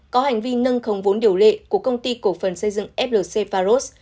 có hành vi nâng khống vốn điều lệ của công ty cổ phần xây dựng flc pharos